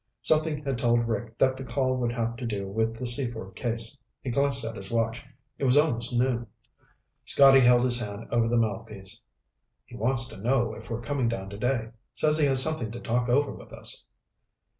Something had told Rick that the call would have to do with the Seaford case. He glanced at his watch. It was almost noon. Scotty held his hand over the mouthpiece. "He wants to know if we're coming down today. Says he has something to talk over with us."